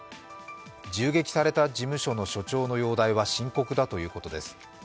銃撃された事務所の所長の容態は深刻だということです。